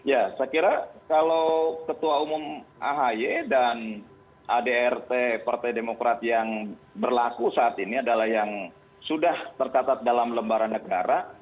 ya saya kira kalau ketua umum ahi dan adrt partai demokrat yang berlaku saat ini adalah yang sudah tercatat dalam lembaran negara